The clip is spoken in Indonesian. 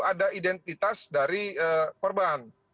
ada identitas dari korban